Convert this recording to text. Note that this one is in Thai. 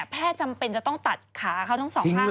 จำเป็นจะต้องตัดขาเขาทั้งสองข้าง